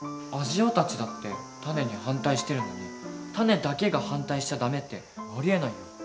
アジオたちだってタネに反対してるのにタネだけが反対しちゃ駄目ってありえない。